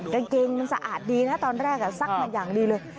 กางเกงมันสะอาดดีนะตอนแรกซักมาอย่างดีเลย